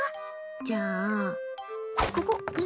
じゃあ、ここ。